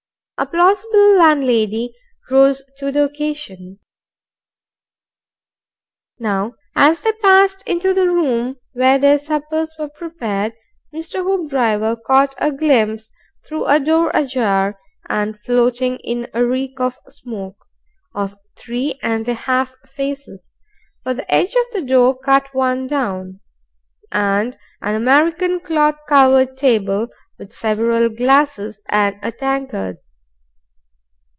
A plausible landlady rose to the occasion. Now, as they passed into the room where their suppers were prepared, Mr. Hoopdriver caught a glimpse through a door ajar and floating in a reek of smoke, of three and a half faces for the edge of the door cut one down and an American cloth covered table with several glasses and a tankard.